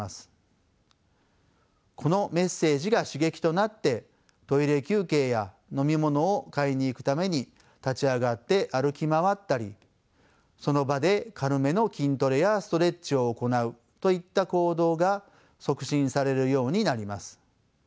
このメッセージが刺激となってトイレ休憩や飲み物を買いに行くために立ち上がって歩き回ったりその場で軽めの筋トレやストレッチを行うといった行動が促進されるようになります。